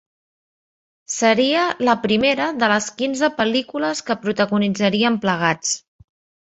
Seria la primera de les quinze pel·lícules que protagonitzarien plegats.